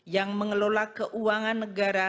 yang mengelola keuangan negara